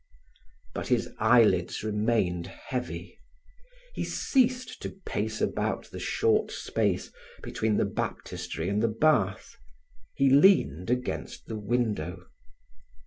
But his eyelids remained heavy. He ceased to pace about the short space between the baptistery and the bath; he leaned against the window.